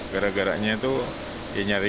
gara garanya tuh ya nyari nyari